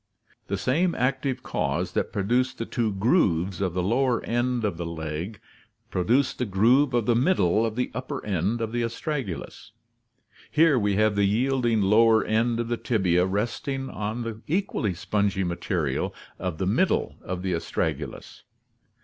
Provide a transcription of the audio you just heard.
... "The same active cause that produced the two grooves of the lower end of the leg produced the groove of the middle of the upper end of the astragalus. Here we have the yielding lower end of the tibia resting on the equally spongy material of the middle of the astragalus.